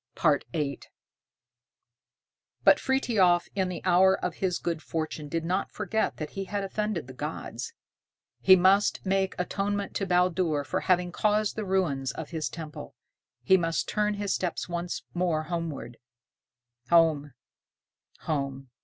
VIII But Frithiof in the hour of his good fortune did not forget that he had offended the gods. He must make atonement to Baldur for having caused the ruin of his temple. He must turn his steps once more homeward. Home! Home!